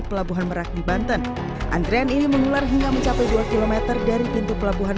pelabuhan merak di banten antrean ini mengular hingga mencapai dua km dari pintu pelabuhan